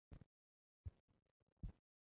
整个车站留有两个出入口。